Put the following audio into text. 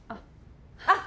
あっ。